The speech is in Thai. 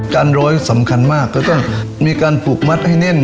การรอยสำคัญมากก็คือมีการปลูกมัสให้เน่น